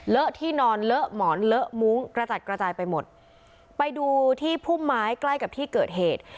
ที่นอนเลอะหมอนเลอะมุ้งกระจัดกระจายไปหมดไปดูที่พุ่มไม้ใกล้กับที่เกิดเหตุ